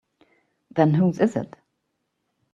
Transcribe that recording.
Then whose is it?